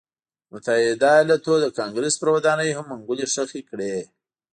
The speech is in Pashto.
د متحده ایالتونو د کانګرېس پر ودانۍ هم منګولې خښې کړې.